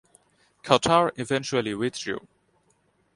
Qatar eventually withdrew.